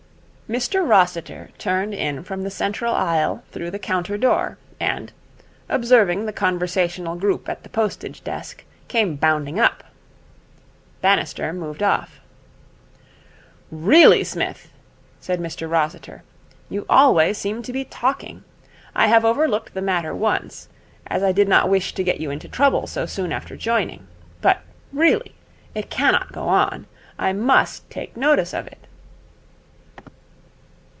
Mr Rossiter turned in from the central aisle through the counter door, and, observing the conversational group at the postage desk, came bounding up. Bannister moved off. 'Really, Smith,' said Mr Rossiter, 'you always seem to be talking. I have overlooked the matter once, as I did not wish to get you into trouble so soon after joining; but, really, it cannot go on. I must take notice of it.'